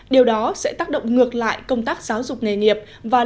điều đó sẽ tác động ngược lại công tác giáo dục nghề nghiệp